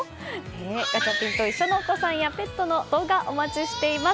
ガチャピンと一緒のお子さんやペットの動画お待ちしております。